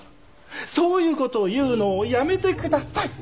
そういう事を言うのやめてください！